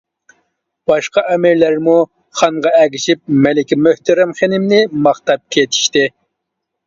باشقا ئەمىرلەرمۇ خانغا ئەگىشىپ مەلىكە مۆھتەرەم خېنىمنى ماختاپ كېتىشتى.